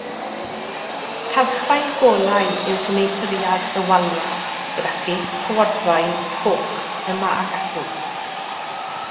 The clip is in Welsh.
Calchfaen golau yw gwneuthuriad y waliau, gyda pheth tywodfaen coch yma ac acw.